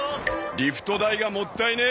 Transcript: リフト代がもったいねえ。